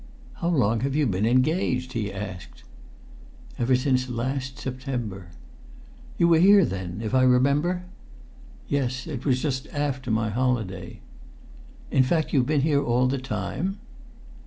"How long have you been engaged?" he asked. "Ever since last September." "You were here then, if I remember?" "Yes; it was just after my holiday." "In fact you've been here all the time?"